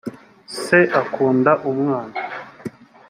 se akunda umwana